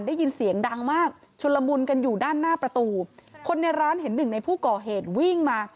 ได้ยินเสียงดังมากชุนละมุนกันอยู่ด้านหน้าประตูคนในร้านเห็นหนึ่งในผู้ก่อเหตุวิ่งมา